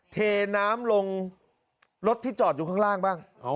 เทน้ำลงรถที่จอดอยู่ข้างล่างบ้าง